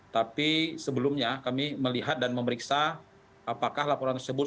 tapi sebelumnya kami melihat dan memeriksa apakah laporan tersebut